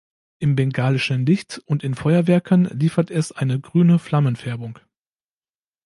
Im Bengalischen Licht und in Feuerwerken liefert es eine grüne Flammenfärbung.